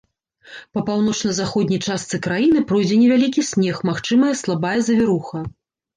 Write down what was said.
Па паўночна-заходняй частцы краіны пройдзе невялікі снег, магчымая слабая завіруха.